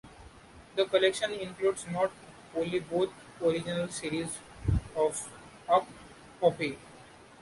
The collection includes not only both original series of Up Pompeii!